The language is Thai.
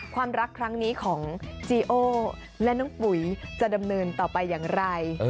ความรักครั้งนี้ของจีโอและน้องปุ๋ยจะดำเนินต่อไปอย่างไร